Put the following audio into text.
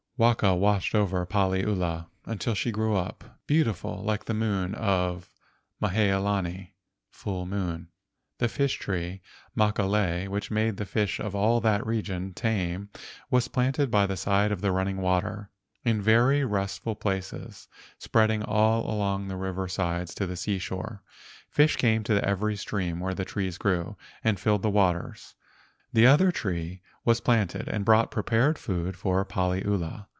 Waka watched over Paliula until she grew up, beautiful like the moon of Mahea lani (full moon). The fish tree, Makalei, which made the fish of all that region tame, was planted by the side of running water, in very restful places spreading all along the river sides to the seashore. Fish came to every stream where the trees grew, and filled the waters. The other tree was planted and brought pre¬ pared food for Paliula.